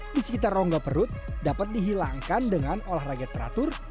di sekitar rongga perut dapat dihilangkan dengan olahraga teratur